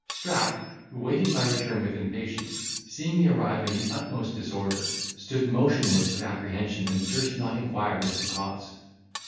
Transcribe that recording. Strap, who waited my return with impatience, seeing me arrive in the utmost disorder, stood motionless with apprehension, and durst not inquire into the cause.